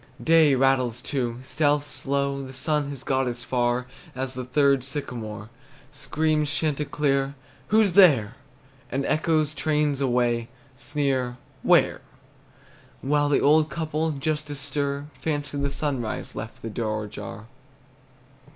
Day rattles, too, Stealth's slow; The sun has got as far As the third sycamore. Screams chanticleer, "Who's there?" And echoes, trains away, Sneer "Where?" While the old couple, just astir, Fancy the sunrise left the door ajar!